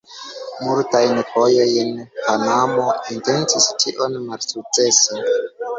Multajn fojojn Panamo intencis tion, malsukcese.